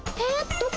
どこ？